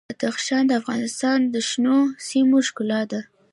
بدخشان د افغانستان د شنو سیمو ښکلا ده.